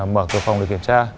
mở cửa phòng để kiểm tra